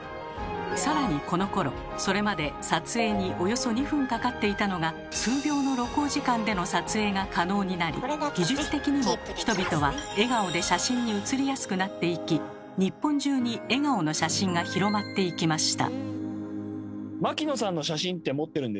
更にこのころそれまで撮影におよそ２分かかっていたのが数秒の露光時間での撮影が可能になり技術的にも人々は笑顔で写真に写りやすくなっていき日本中に笑顔の写真が広まっていきました。